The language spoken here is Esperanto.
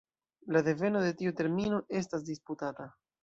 La deveno de tiu termino estas disputata.